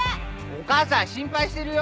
お母さん心配してるよ！